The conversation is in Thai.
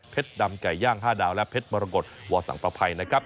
ดำไก่ย่าง๕ดาวและเพชรมรกฏวอสังประภัยนะครับ